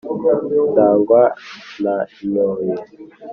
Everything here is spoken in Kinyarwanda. ndagwa ntanyoye